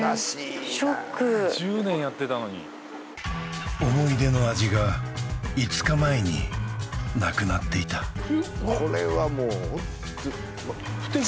ショック１０年やってたのに思い出の味が５日前になくなっていたこれはもうホント不手際？